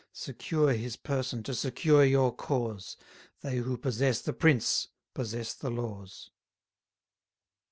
Secure his person to secure your cause: They who possess the prince possess the laws.